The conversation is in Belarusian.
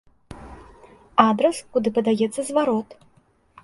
Адрас, куды падаецца зварот.